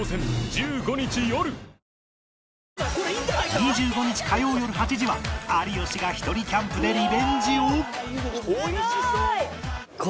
２５日火曜よる８時は有吉がひとりキャンプでリベンジを！